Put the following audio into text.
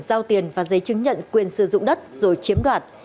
giao tiền và giấy chứng nhận quyền sử dụng đất rồi chiếm đoạt